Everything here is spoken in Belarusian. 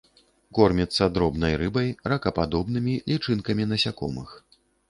Корміцца дробнай рыбай, ракападобнымі, лічынкамі насякомых.